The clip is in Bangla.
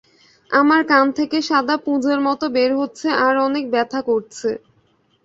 আমার কান থেকে সাদা পুঁজের মত বের হচ্ছে আর অনেক ব্যথা করছে।